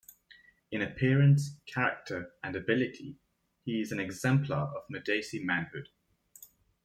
In appearance, character, and ability, he is an exemplar of Madesi manhood.